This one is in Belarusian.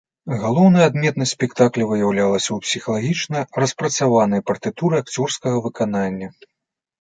Галоўная адметнасць спектакля выяўлялася ў псіхалагічна распрацаванай партытуры акцёрскага выканання.